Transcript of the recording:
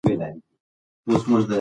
موږ په خپلو خلکو باور لرو.